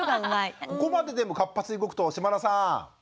ここまででも活発に動くと嶋田さん